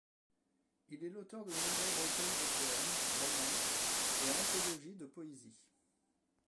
Il est l’auteur de nombreux recueils de poèmes, romans et anthologies de poésie.